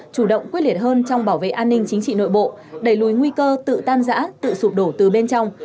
chủ động quyết liệt hơn trong bảo vệ an ninh chính trị nội bộ đẩy lùi nguy cơ tự tan giã tự sụp đổ từ bên trong